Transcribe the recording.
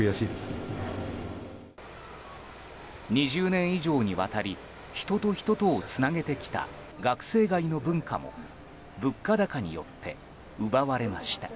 ２０年以上にわたり人と人とをつなげてきた学生街の文化も物価高によって奪われました。